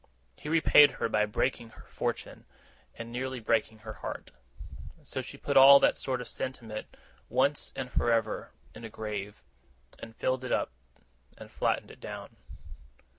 He repaid her by breaking her fortune, and nearly breaking her heart. So she put all that sort of sentiment, once and for ever, in a grave, and filled it up, and flattened it down.